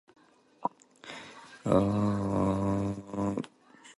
Burst is a member of The Occasion and also performs with Mike Wexler.